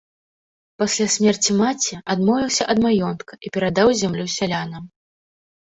Пасля смерці маці адмовіўся ад маёнтка і перадаў зямлю сялянам.